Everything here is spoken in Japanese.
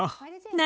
何？